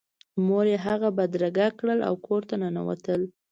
مور یې هغه بدرګه کړ او کور ته ننوتل